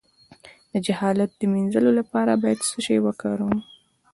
د جهالت د مینځلو لپاره باید څه شی وکاروم؟